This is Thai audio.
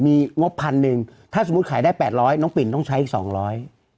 มีงบพันหนึ่งถ้าสมมุติขายได้แปดร้อยน้องปิ่นต้องใช้อีกสองร้อย